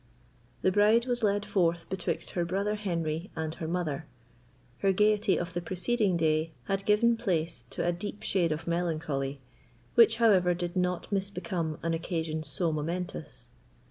The bride was led forth betwixt her brother Henry and her mother. Her gaiety of the preceding day had given rise [place] to a deep shade of melancholy, which, however, did not misbecome an occasion so momentous.